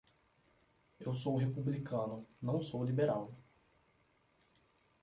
Eu sou republicano, não sou liberal.